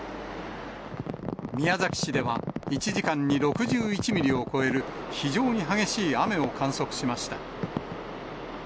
宮崎市では、１時間に６１ミリを超える非常に激しい雨を観測しました。